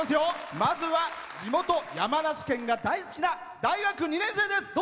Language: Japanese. まずは地元・山梨県が大好きな大学２年生です。